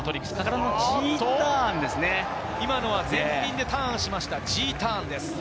あと今のは前輪でターンしました、Ｇターンです。